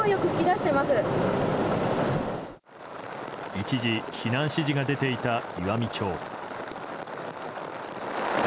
一時、避難指示が出ていた岩美町。